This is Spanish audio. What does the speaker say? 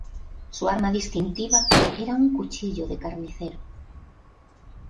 Su arma distintiva era un cuchillo de carnicero.